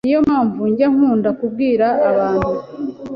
Niyo mpamvu njya nkunda kubwira abantu